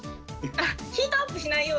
ヒートアップしないように。